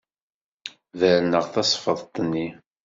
Berneɣ tasfeḍt-nni.